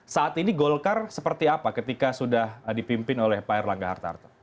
saat ini golkar seperti apa ketika sudah dipimpin oleh pak erlangga hartarto